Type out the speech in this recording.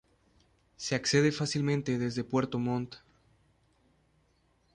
Se accede fácilmente desde Puerto Montt.